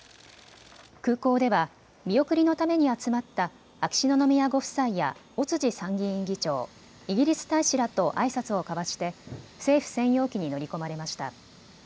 空港では見送りのために集まった秋篠宮ご夫妻や尾辻参議院議長、イギリス大使らとあいさつを交わして政府専用機に乗り込まれました。